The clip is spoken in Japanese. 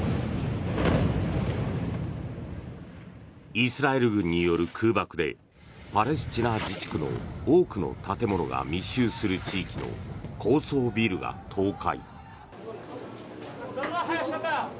イスラエル軍による空爆でパレスチナ自治区の多くの建物が密集する地域の高層ビルが倒壊。